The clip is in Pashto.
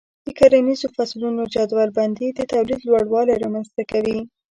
د کرنیزو فصلونو جدول بندي د تولید لوړوالی رامنځته کوي.